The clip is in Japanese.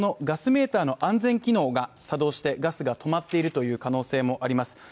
ガスメーターの安全機能が作動してガスが止まっているという可能性もあります。